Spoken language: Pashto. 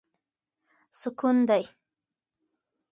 سکون دی.